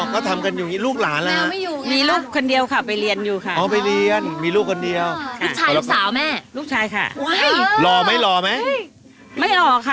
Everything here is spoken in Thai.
มันมาโดนแม่พูดมาดีกว่า